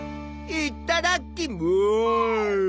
いただきます！